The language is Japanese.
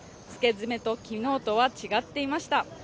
つけ爪は、昨日とは違っていました